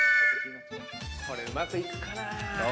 これうまくいくかな？